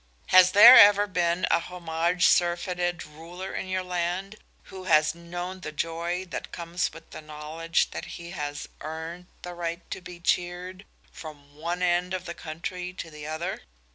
Has there ever been a homage surfeited ruler in your land who has known the joy that comes with the knowledge that he has earned the right to be cheered from one end of the country to the other?